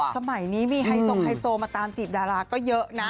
สมัยนี้มีไฮโซไฮโซมาตามจีบดาราก็เยอะนะ